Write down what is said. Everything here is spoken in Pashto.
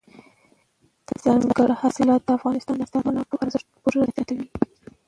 دځنګل حاصلات د افغانستان د اقتصادي منابعو ارزښت پوره زیاتوي.